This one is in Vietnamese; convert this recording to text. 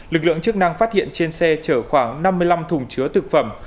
lực lượng chức năng phát hiện trên xe chở khoảng năm mươi năm thùng chứa thực phẩm